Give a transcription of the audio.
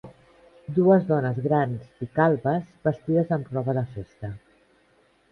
Dues dones grans i calbes vestides amb roba de festa